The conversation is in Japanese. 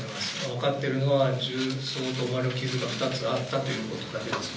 分かっているのは銃創と思われる傷が２つあったということだけです。